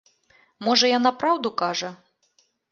Можа, яна праўду кажа.